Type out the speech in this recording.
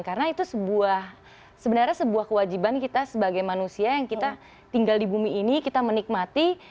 karena itu sebenarnya sebuah kewajiban kita sebagai manusia yang kita tinggal di bumi ini kita menikmati